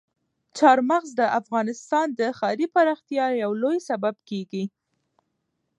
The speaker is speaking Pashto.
چار مغز د افغانستان د ښاري پراختیا یو لوی سبب کېږي.